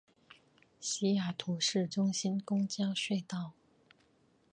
西雅图市中心公交隧道。